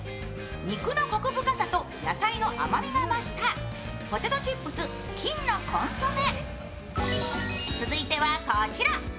肉のこく深さと野菜の甘みが増したポテトチップス金のコンソメ。